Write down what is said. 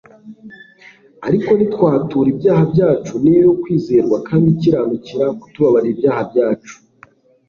"Ariko nitwatura ibyaha byacu ni yo yo kwizerwa kandi ikiranukira kutubabarira ibyaha byacu